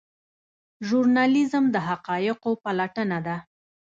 ژورنالیزم د حقایقو پلټنه ده